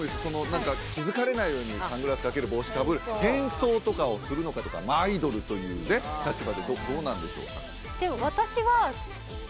何か気づかれないようにサングラス掛ける帽子かぶる変装とかをするのかとかアイドルというね立場でどうなんでしょうか？